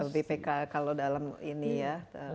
bpk kalau dalam ini ya